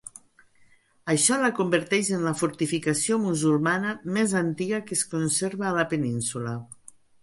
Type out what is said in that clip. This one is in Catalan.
Això la converteix en la fortificació musulmana més antiga que es conserva a la Península.